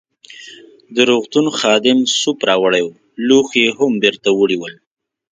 د روغتون خادم سوپ راوړی وو، لوښي يې هم بیرته وړي ول.